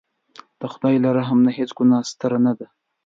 د خدای له رحم نه هېڅ ګناه ستره نه ده.